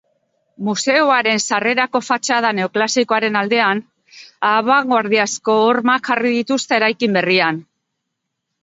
Museoaren sarrerako fatxada neoklasikoaren aldean, abangoardiazko hormak jarri dituzte eraikin berrian.